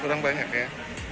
kurang banyak ya